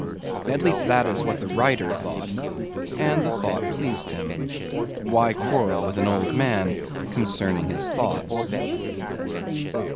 At least that is what the writer thought and the thought pleased him. Why quarrel with an old man concerning his thoughts?